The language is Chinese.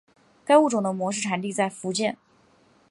该物种的模式产地在福建。